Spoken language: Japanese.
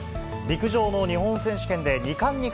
陸上の日本選手権で、２冠に